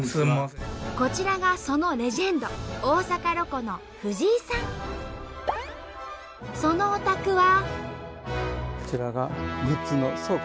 こちらがそのレジェンドそのお宅は。